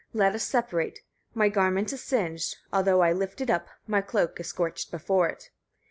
let us separate. My garment is singed, although I lift it up, my cloak is scorched before it.